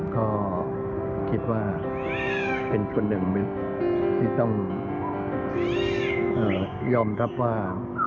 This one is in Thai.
ก็คิดว่าเป็นคนหนึ่งที่ต้องยอมรับว่า